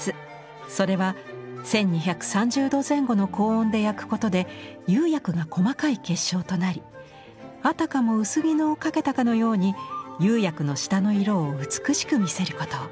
それは１，２３０度前後の高温で焼くことで釉薬が細かい結晶となりあたかも薄絹をかけたかのように釉薬の下の色を美しく見せること。